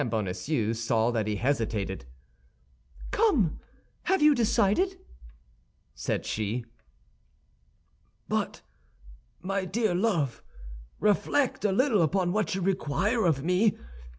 Bonacieux saw that he hesitated. "Come! Have you decided?" said she. "But, my dear love, reflect a little upon what you require of me.